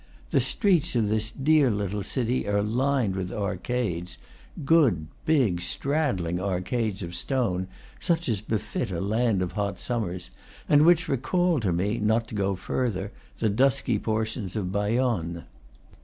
The streets of this dear little city are lined with arcades, good, big, straddling arcades of stone, such as befit a land of hot summers, and which recalled to me, not to go further, the dusky portions of Bayonne.